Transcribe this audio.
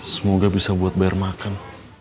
semoga bisa buat bayar makan